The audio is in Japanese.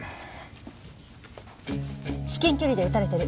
至近距離で撃たれてる。